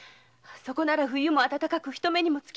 そこなら冬も暖かく人目にもつきません。